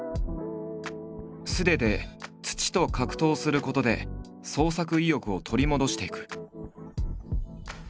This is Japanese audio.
素手で土と格闘することで創作意欲を取り戻していく。